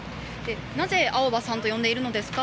なぜ、青葉さんと呼んでいるのですか？